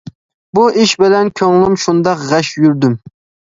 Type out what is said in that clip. بۇ ئىش بىلەن كۆڭلۈم شۇنداق غەش يۈردۈم.